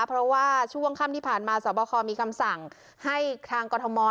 เพราะว่าช่วงค่ำที่ผ่านมาสบคมีคำสั่งให้ทางกรทม